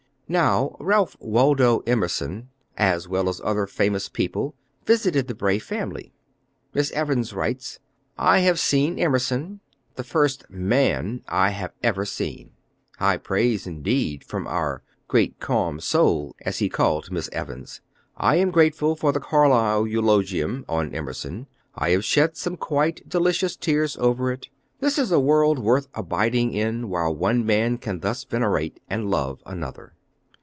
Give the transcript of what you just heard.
Now Ralph Waldo Emerson, as well as other famous people, visited the Bray family. Miss Evans writes: "I have seen Emerson, the first man I have ever seen." High praise indeed from our "great, calm soul," as he called Miss Evans. "I am grateful for the Carlyle eulogium (on Emerson). I have shed some quite delicious tears over it. This is a world worth abiding in while one man can thus venerate and love another."